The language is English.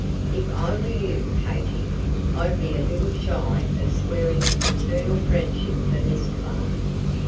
If I were you, Katy, I'd be a little shy of swearing eternal friendship for Miss Clark.